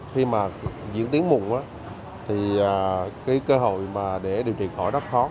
khi mà diễn tiến mùn thì cơ hội để điều trị khỏi rất khó